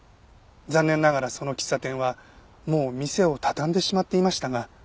残念ながらその喫茶店はもう店を畳んでしまっていましたが。